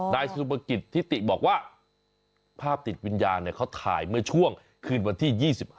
นายสุภกิจทิติบอกว่าภาพติดวิญญาณเขาถ่ายเมื่อช่วงคืนวันที่๒๕